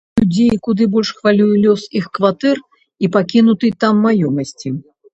Людзей куды больш хвалюе лёс іх кватэр і пакінутай там маёмасці.